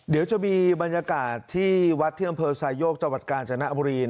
เดี๋ยวจะมีบรรยากาศที่วัดเที่ยงบริษัทยกจังหวัดกาลจนบุรี